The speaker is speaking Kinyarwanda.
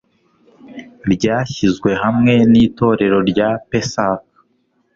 ryashyizwe hamwe n'itorero rya Pessac,